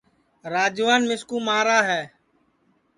راجوان مِسکُو مارا ہے